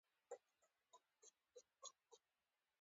ازادي راډیو د د انتخاباتو بهیر د ارتقا لپاره نظرونه راټول کړي.